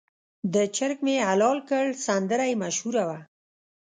د چرګ مې حلال کړ سندره یې مشهوره وه.